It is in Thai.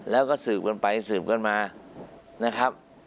แล้วก็สืบกันไปสืบกันมานะครับ